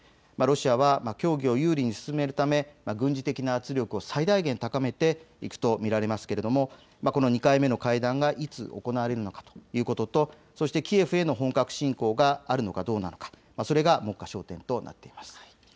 ロシアは協議を有利に進めるため軍事的な圧力を最大限高めていくと見られますが、２回目の会談がいつ行われるのかということとキエフへの本格侵攻があるのかどうなのか、それが目下、焦点となっています。